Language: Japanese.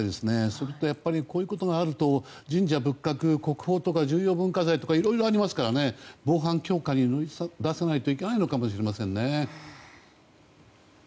それと、やっぱりこういうことがあると神社仏閣には国宝とか重要文化財とかいろいろありますからね防犯強化に乗り出さないといけないのかもしれないですね。